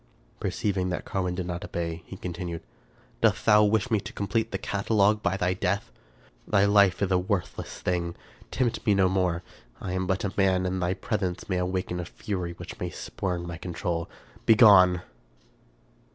Perceiving that Carwin did not obey, he continued, " Dost thou wish me to complete the catalogue by thy death? Thy life is a worthless thing. Tempt me no more. I am but a man, and thy presence may awaken a fury which may spurn my control. Begone